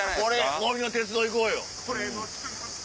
森の鉄道行こうよ。